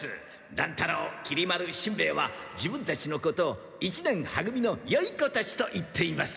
乱太郎きり丸しんべヱは自分たちのことを「一年は組のよい子たち」と言っていますから。